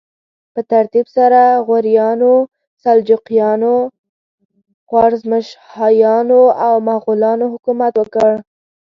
په ترتیب سره غوریانو، سلجوقیانو، خوارزمشاهیانو او مغولانو حکومت وکړ.